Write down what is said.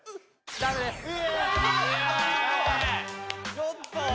ちょっと！